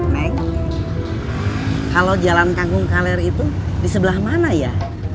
mang kalau jalan kangkung kaler itu di sebelah mana ya